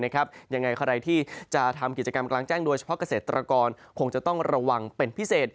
ยังไงใครที่จะทำกิจกรรมกลางแจ้งโดยเฉพาะเกษตรกรคงจะต้องระวังเป็นพิเศษ